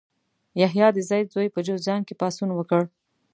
یحیی د زید زوی په جوزجان کې پاڅون وکړ.